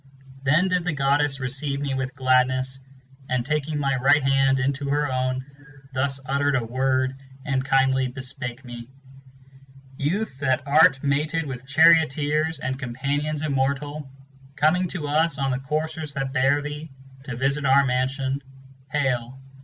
Then did the goddess 7 receive me with gladness, and taking my right hand Into her own, thus uttered a word and kindly bespake me :" Youth that art mated with charioteers and companions immortal, Coming to us on the coursers that bear thee, to visit our mansion, Hail